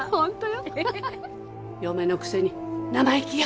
嫁のくせに生意気よ。